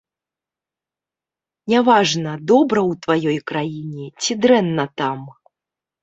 Не важна, добра ў тваёй краіне ці дрэнна там.